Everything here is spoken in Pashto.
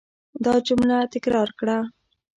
دا جمله تکرار کړه.